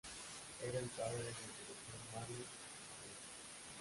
Era el padre del director Mario Bianchi.